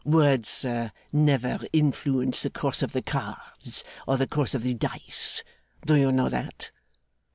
Words, sir, never influence the course of the cards, or the course of the dice. Do you know that?